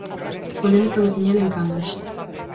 Polémica veciñal en Cangas.